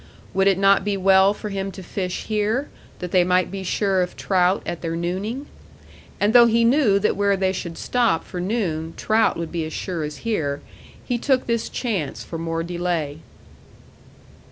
Would it not be well for him to fish here, that they might be sure of trout at their nooning? And though he knew that where they should stop for noon, trout would be as sure as here, he took this chance for more delay.